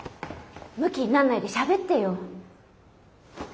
ムキになんないでしゃべってよ。